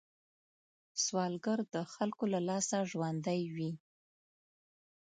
سوالګر د خلکو له لاسه ژوندی وي